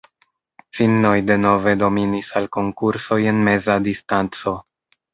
Finnoj denove dominis al konkursoj en meza distanco.